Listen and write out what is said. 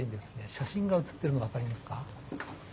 写真がうつってるのが分かりますか？